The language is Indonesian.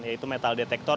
yaitu metal detector